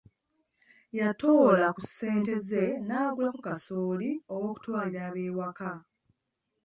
Yatoola ku ssente ze n'agulako kasooli ow'okutwalalira ab'ewaka.